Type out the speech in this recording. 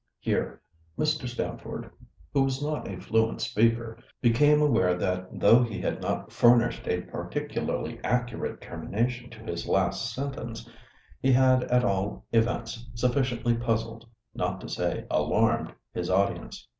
Here Mr. Stamford, who was not a fluent speaker, became aware that though he had not furnished a particularly accurate termination to his last sentence, he had at all events sufficiently puzzled, not to say alarmed, his audience.